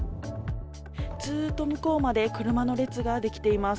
ずっと向こうまで車の列が出来ています。